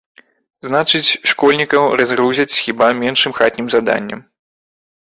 Значыць, школьнікаў разгрузяць хіба меншым хатнім заданнем.